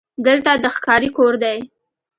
دلته د ښکاري کور دی: